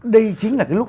đây chính là cái lúc